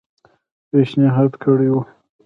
پېشنهاد کړی وو.